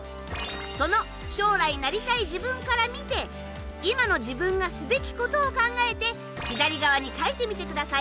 その将来なりたい自分から見て今の自分がすべきことを考えて左側に書いてみてください。